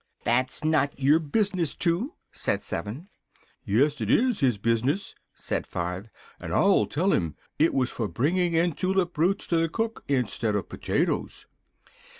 "That's not your business, Two!" said Seven. "Yes, it is his business!" said Five, "and I'll tell him: it was for bringing in tulip roots to the cook instead of potatoes."